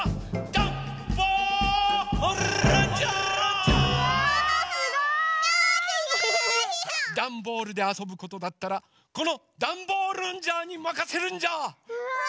ダンボールであそぶことだったらこのダンボールンジャーにまかせるんジャー！うわ！